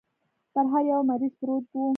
پر هر يوه مريض پروت و.